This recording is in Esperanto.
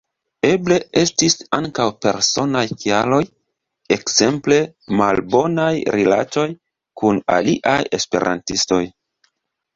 Eble estis ankaŭ personaj kialoj, ekzemple malbonaj rilatoj kun aliaj esperantistoj.